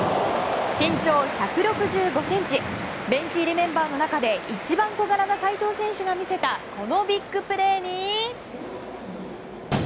身長１６５ｃｍベンチ入りメンバーの中で一番小柄な齋藤選手が見せた熱盛！